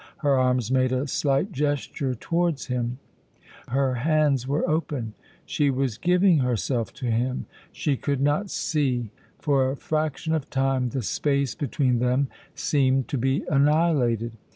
Her arms made a slight gesture towards him; her hands were open; she was giving herself to him. She could not see. For a fraction of time the space between them seemed to be annihilated.